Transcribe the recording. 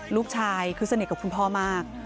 ลูกชายคือสนิทกับคุณพ่อมาก